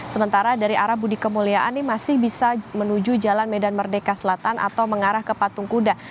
sementara dari arah budi kemuliaan ini masih bisa menuju jalan medan merdeka selatan atau mengarah ke patung kuda